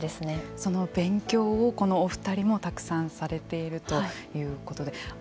その勉強をこのお二人もたくさんされているということで。